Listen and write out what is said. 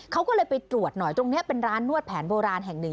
เขาก็เลยไปตรวจหน่อยตรงนี้เป็นร้านนวดแผนโบราณแห่งหนึ่ง